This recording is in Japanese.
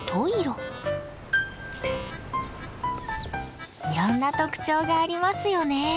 いろんな特徴がありますよね。